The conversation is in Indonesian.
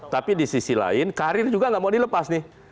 tapi di sisi lain karir juga nggak mau dilepas nih